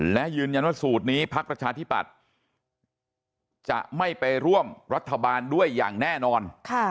และยืนยันว่าสูตรนี้พักประชาธิปัตย์จะไม่ไปร่วมรัฐบาลด้วยอย่างแน่นอน